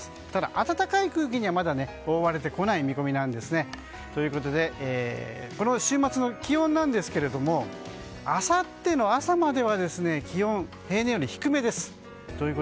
ただまだ暖かい空気には覆われてこない見込みなんですね。ということでこの週末の気温なんですがあさっての朝までは気温、平年より低めです。